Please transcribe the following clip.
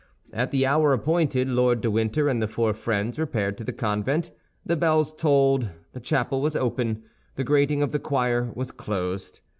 At the hour appointed, Lord de Winter and the four friends repaired to the convent; the bells tolled, the chapel was open, the grating of the choir was closed.